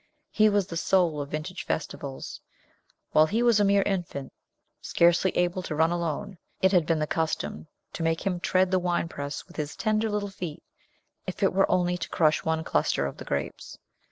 He was the soul of vintage festivals. While he was a mere infant, scarcely able to run alone, it had been the custom to make him tread the winepress with his tender little feet, if it were only to crush one cluster of the grapes.